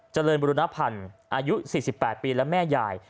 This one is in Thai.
เจริญบุรณพันธ์อายุ๔๘ปีและแม่ยาย